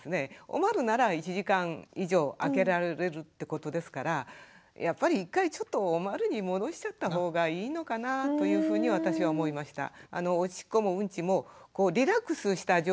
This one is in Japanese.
おまるなら１時間以上あけられるってことですからやっぱり一回ちょっとおまるに戻しちゃった方がいいのかなというふうに私は思いました。